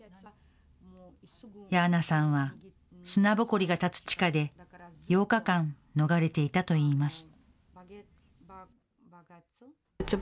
ヤーナさんは砂ぼこりがたつ地下で、８日間逃れていたといいます。